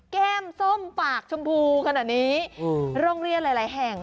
แก้มส้มปากชมพูขนาดนี้โรงเรียนหลายแห่ง